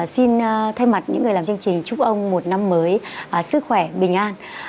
xin thay mặt những người làm chương trình chúc ông một năm mới sức khỏe bình an